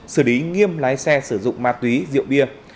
xử lý nghiêm lái xe sử dụng ma túy rượu bia